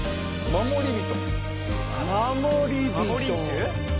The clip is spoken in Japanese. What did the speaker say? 「守り人」？